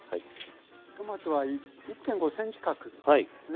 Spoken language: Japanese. トマトは１．５ｃｍ角ですね。